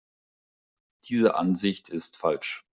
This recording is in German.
Diese Ansicht ist falsch.